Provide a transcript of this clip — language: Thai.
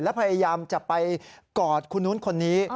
และพยายามจะไปกอดคนนู้นคนนี้